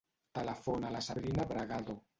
Telefona a la Sabrina Bragado.